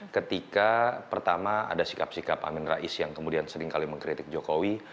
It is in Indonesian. ketika pertama ada sikap sikap amin rais yang kemudian seringkali mengkritik jokowi